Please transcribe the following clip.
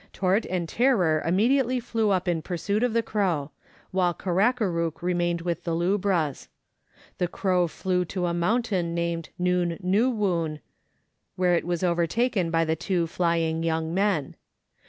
Tourt and Tarrer immediately flew up in pur suit of the crow, while Karakarook remained with the lubras. The crow flew to a mountain named Nun nur woon, where it was overtaken by the two flying young men.